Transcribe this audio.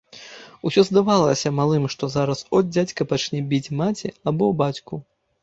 Усё здавалася малым, што зараз от дзядзька пачне біць маці або бацьку.